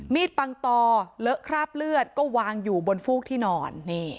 ปังตอเลอะคราบเลือดก็วางอยู่บนฟูกที่นอน